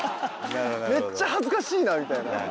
めっちゃ恥ずかしいなみたいな。